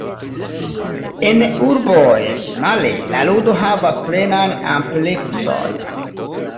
En urboj, male, la ludo havas plenan amplekson.